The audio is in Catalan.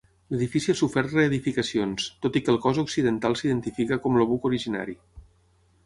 L'edifici ha sofert reedificacions, tot i que el cos occidental s'identifica com el buc originari.